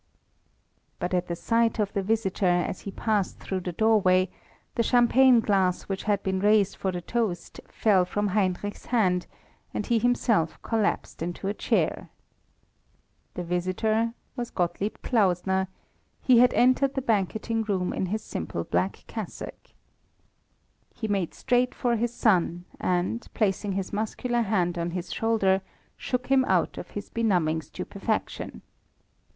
But at the sight of the visitor, as he passed through the doorway, the champagne glass which had been raised for the toast fell from Heinrich's hand, and he himself collapsed into a chair. The visitor was Gottlieb Klausner; he had entered the banqueting room in his simple black cassock. He made straight for his son, and, placing his muscular hand on his shoulder, shook him out of his benumbing stupefaction.